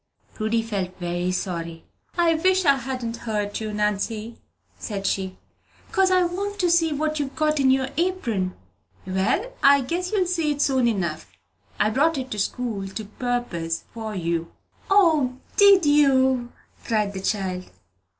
Prudy felt very sorry. "I wish I hadn't hurt you, Nanny," said she, "'cause I want to see what you've got in your apron." "Well, I guess you'll see it soon enough. I brought it to school to purpose for you." "O, did you?" cried the child.